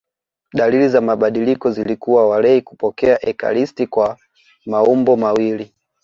Dalili za mabadiliko zilikuwa walei kupokea ekaristi kwa maumbo mawili